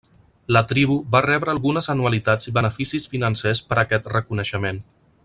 La tribu va rebre algunes anualitats i beneficis financers per aquest reconeixement.